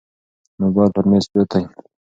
موبایل پر مېز پروت دی.